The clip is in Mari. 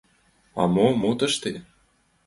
— А мо, мо тыште?